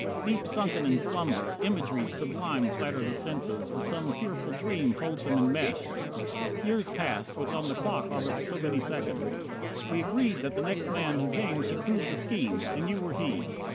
Deep Sunken in slumber, imageries sublime Flatter the senses, or some fearful dream Holds them enmeshed. Years pass which on the clock Are but so many seconds. We agreed That the next man who came should prove the scheme; And you were he.